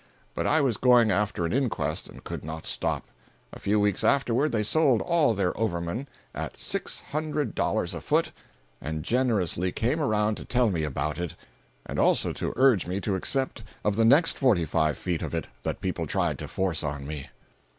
But I was going after an inquest and could not stop. A few weeks afterward they sold all their "Overman" at six hundred dollars a foot and generously came around to tell me about it—and also to urge me to accept of the next forty five feet of it that people tried to force on me.